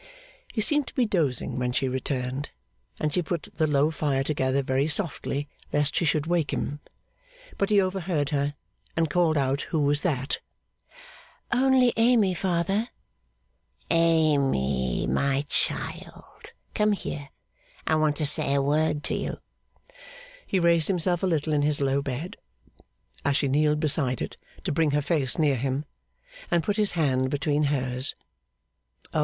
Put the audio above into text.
He seemed to be dozing when she returned, and she put the low fire together very softly lest she should awake him. But he overheard her, and called out who was that? 'Only Amy, father.' 'Amy, my child, come here. I want to say a word to you.' He raised himself a little in his low bed, as she kneeled beside it to bring her face near him; and put his hand between hers. O!